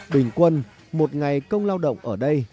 bình quân một ngày công lao động ở đây